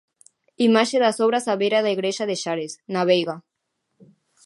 Imaxe das obras á beira da igrexa de Xares, na Veiga.